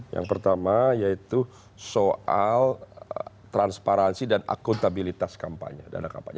yang pertama yaitu soal transparansi dan akuntabilitas kampanye dana kampanye